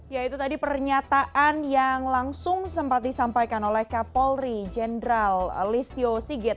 ya itu tadi pernyataan yang langsung sempat disampaikan oleh kapolri jenderal listio sigit